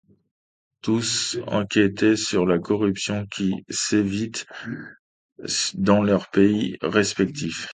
Tous enquêtaient sur la corruption qui sévit dans leurs pays respectifs.